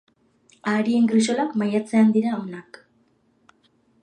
Aharien grisolak maiatzean dira onak.